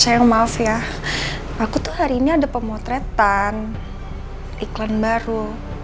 sayang maaf ya aku tuh hari ini ada pemotretan iklan baru